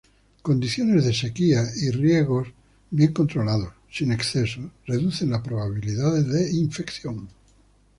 Condiciones de sequía y riegos bien controlados, sin excesos, reducen las probabilidades de infección.